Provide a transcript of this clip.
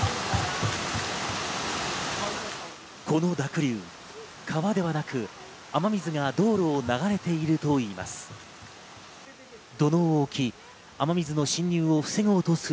この濁流、川ではなく、雨水が道路を流れているといいます。